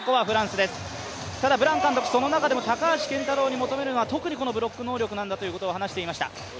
ブラン監督、その中でも高橋健太郎に求めるのは特にこのブロック能力なんだということを話していました。